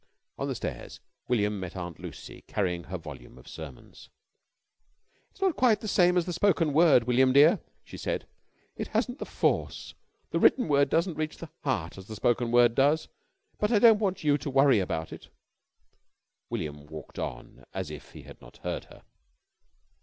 On the stairs William met Aunt Lucy carrying her volume of sermons. "It's not quite the same as the spoken word, William, dear," she said. "It hasn't the force. The written word doesn't reach the heart as the spoken word does, but I don't want you to worry about it." William walked on as if he had not heard her.